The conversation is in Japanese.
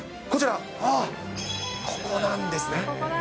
こちら、ここなんですね。